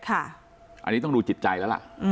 อันนี้ต้องดูจิตใจแล้วล่ะ